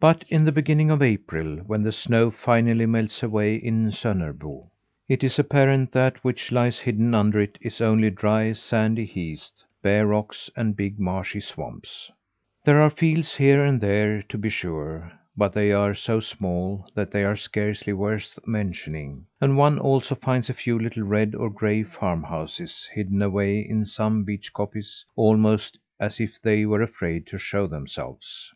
But, in the beginning of April when the snow finally melts away in Sonnerbo, it is apparent that that which lies hidden under it is only dry, sandy heaths, bare rocks, and big, marshy swamps. There are fields here and there, to be sure, but they are so small that they are scarcely worth mentioning; and one also finds a few little red or gray farmhouses hidden away in some beech coppice almost as if they were afraid to show themselves.